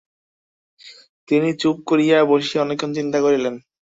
তিনি চুপ করিয়া বসিয়া অনেকক্ষণ চিন্তা করিলেন।